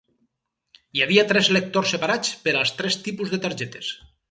Hi havia tres lectors separats per als tres tipus de targetes.